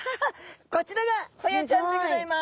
こちらがホヤちゃんでございます。